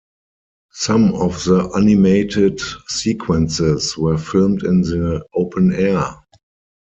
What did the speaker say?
Some of the animated sequences were filmed in the open air.